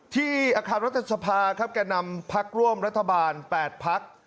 ที่อาคารรัฐสภาครับแก่นำพักร่วมรัฐบาล๘พัก